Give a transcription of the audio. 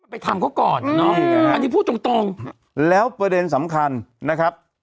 ไปทำเขาก่อนอันนี้พูดตรงแล้วประเด็นสำคัญนะครับ